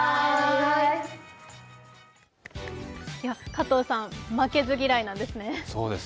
加藤さん、負けず嫌いなんですね。